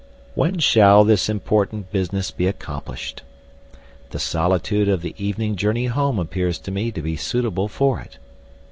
When shall this important business be accomplished? The solitude of the evening journey home appears to me to be suitable for it.